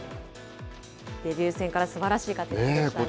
デビュー戦からすばらしい活躍でしたね。